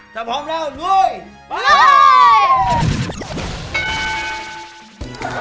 ถ้าพร้อมแล้วรวย